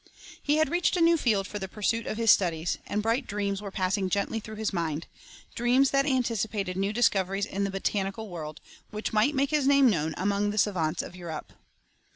He had reached a new field for the pursuit of his studies, and bright dreams were passing gently through his mind, dreams that anticipated new discoveries in the botanical world, which might make his name known among the savants of Europe.